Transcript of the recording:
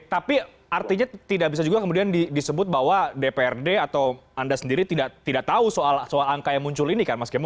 tapi artinya tidak bisa juga kemudian disebut bahwa dprd atau anda sendiri tidak tahu soal angka yang muncul ini kan mas kemo